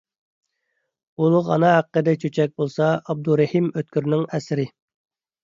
«ئۇلۇغ ئانا ھەققىدە چۆچەك» بولسا ئابدۇرېھىم ئۆتكۈرنىڭ ئەسىرى.